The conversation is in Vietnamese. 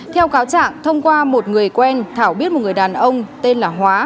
theo cáo trạng thông qua một người quen thảo biết một người đàn ông tên là hóa